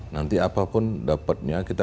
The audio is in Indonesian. nanti apapun dapatnya kita